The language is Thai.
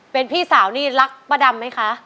เป็นพี่สาวนี่รักป้าดำไหมคะ